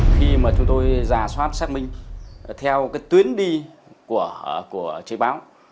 khi mà chúng tôi ra soát xác minh theo cái tuyến đi của chị báo